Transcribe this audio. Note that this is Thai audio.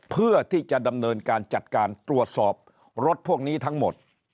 เพื่อที่จะดำเนินการจัดการตรวจสอบรถพวกนี้ทั้งหมด